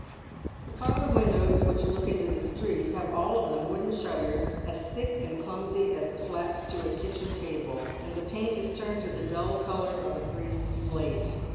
The parlour windows which look into the street have all of them wooden shutters as thick and clumsy as the flaps to a kitchen table, and the paint is turned to the dull colour of a greased slate.